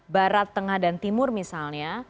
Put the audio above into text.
barat tengah dan timur misalnya